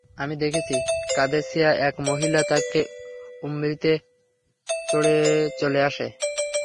আমি দেখেছি, কাদেসিয়া থেকে মহিলা তার উন্ত্রীতে চড়ে চলে আসে।